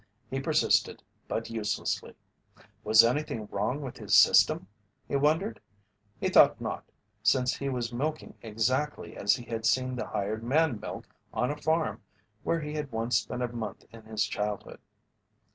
He persisted, but uselessly. Was anything wrong with his system, he wondered? He thought not, since he was milking exactly as he had seen the hired man milk on a farm where he had once spent a month in his childhood.